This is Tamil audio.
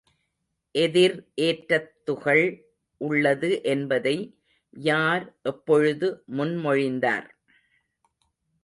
எதிர்ஏற்றத் துகள் உள்ளது என்பதை யார் எப்பொழுது முன்மொழிந்தார்?